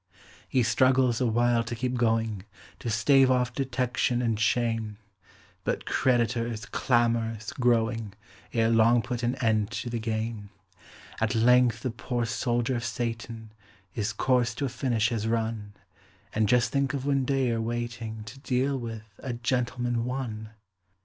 He struggles awhile to keep going, To stave off detection and shame; But creditors, clamorous growing, Ere long put an end to the game. At length the poor soldier of Satan His course to a finish has run And just think of Windeyer waiting To deal with "A Gentleman, One"!